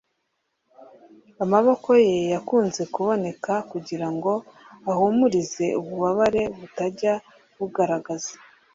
amaboko ye yakunze kuboneka kugirango ahumurize ububabare butajya bugaragaza